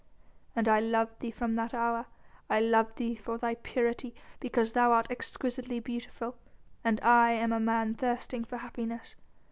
"And I loved thee from that hour. I loved thee for thy purity and because thou art exquisitely beautiful and I am a man thirsting for happiness.